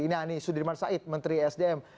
ini sudirman said menteri sdm